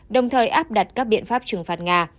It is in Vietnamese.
đồng thời áp đặt các biện pháp trừng phạt nga